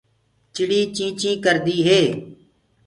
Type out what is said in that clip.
چِڙي چيٚنٚچيٚڪردي هي۔